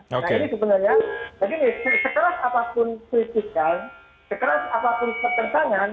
nah ini sebenarnya begini sekeras apapun kritikal sekeras apapun pertentangan